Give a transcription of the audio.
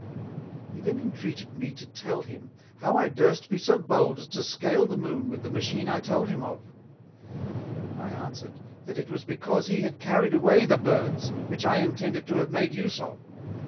He then intreated me to tell him, how I durst be so bold as to Scale the Moon with the Machine I told him of? I answered, That it was because he had carried away the Birds, which I intended to have made use of.